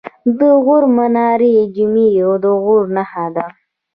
د غور منارې جمعې د غوري نښه ده